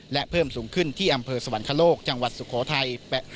และเพิ่มสูงขึ้นที่อำเภอสวรรคโลกจังหวัดสุโขทัย